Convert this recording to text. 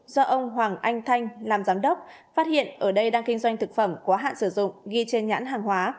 do ông hoàng anh thanh làm giám đốc phát hiện ở đây đang kinh doanh thực phẩm quá hạn sử dụng ghi trên nhãn hàng hóa